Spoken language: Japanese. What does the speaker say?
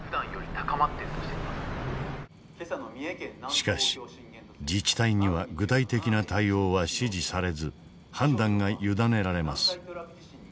しかし自治体には具体的な対応は指示されず判断が委ねられます。